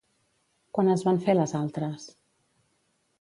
Quan es van fer les altres?